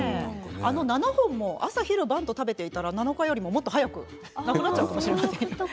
７本も朝昼晩と食べていたら７日よりも早くなくなっちゃうかもしれませんね。